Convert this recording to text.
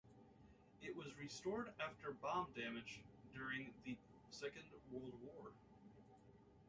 It was restored after bomb damage during the Second World War.